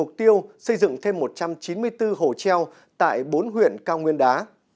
mục tiêu xây dựng thêm một trăm chín mươi bốn hồ treo tại bốn huyện cao nguyên đá